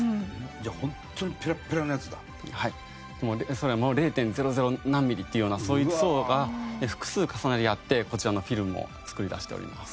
それも０．００何ミリっていうようなそういう層が複数重なり合ってこちらのフィルムを作り出しております。